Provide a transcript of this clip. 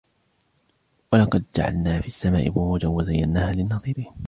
ولقد جعلنا في السماء بروجا وزيناها للناظرين